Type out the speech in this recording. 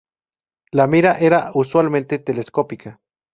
La mira era, usualmente, telescópica.